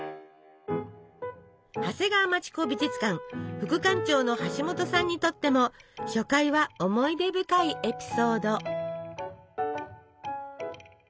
長谷川町子美術館副館長の橋本さんにとっても初回は思い出深いエピソード。